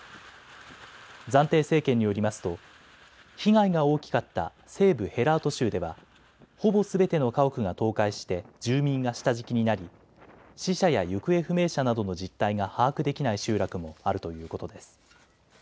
暫定政権によりますと被害が大きかった西部ヘラート州では、ほぼすべての家屋が倒壊して住民が下敷きになり死者や行方不明者などの実態が把握できない集落もあるということです。